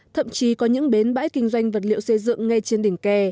thậm chí có những bến bãi kinh doanh vật liệu xây dựng ngay trên đỉnh kè